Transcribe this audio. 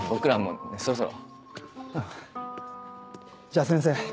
じゃあ先生。